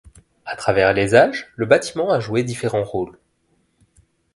À travers les âges, le bâtiment a joué différents rôles.